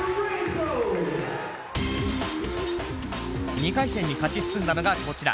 ２回戦に勝ち進んだのがこちら。